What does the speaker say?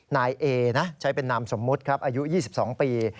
นายเอใช้เป็นนามสมมุติอายุ๒๒ปี